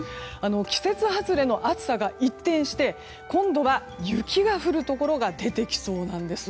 季節外れの暑さが一転して今度は雪が降るところが出てきそうなんです。